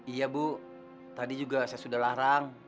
iya bu tadi juga saya sudah larang